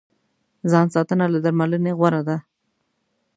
ځان ساتنه له درملنې غوره ده.